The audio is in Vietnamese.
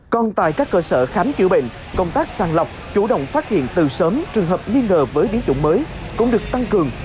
còn tại các cơ sở khám chữa bệnh công tác sàng lọc chủ động phát hiện từ sớm trường hợp nghi ngờ với biến chủng mới cũng được tăng cường